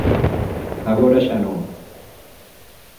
Agora xa non.